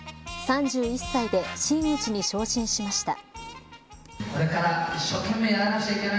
３１歳で真打ちに昇進しました。